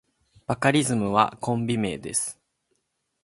バカリズムはコンビ名です。